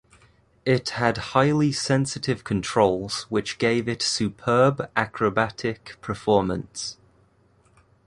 It had highly sensitive controls which gave it superb aerobatic performance.